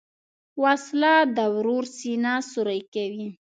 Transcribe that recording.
وسله د ورور سینه سوری کوي